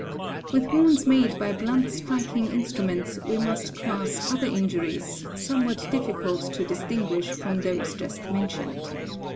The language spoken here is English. With wounds made by blunt striking instruments we must class other injuries, somewhat difficult to distin ;| guish from those just mentioned.